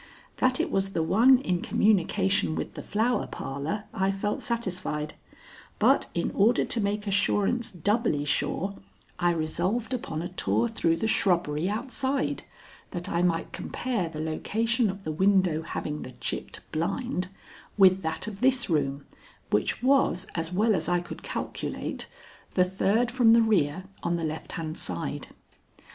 That it was the one in communication with the Flower Parlor I felt satisfied, but in order to make assurance doubly sure I resolved upon a tour through the shrubbery outside, that I might compare the location of the window having the chipped blind with that of this room, which was, as well as I could calculate, the third from the rear on the left hand side.